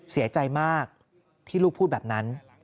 เสียใจมากที่ลูกพูดแบบนั้น